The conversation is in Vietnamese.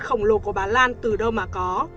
khổng lồ của bà lan từ đâu mà có